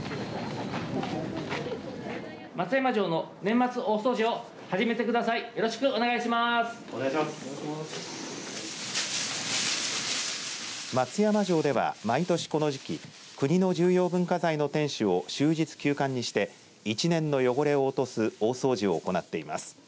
松山城では毎年この時期国の重要文化財の天守を終日休館にして１年の汚れを落とす大掃除を行っています。